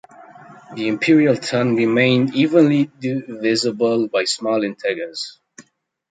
The imperial tun remained evenly divisible by small integers.